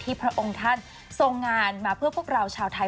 พระองค์ท่านทรงงานมาเพื่อพวกเราชาวไทย